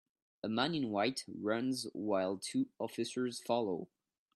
A man in white runs while two officers follow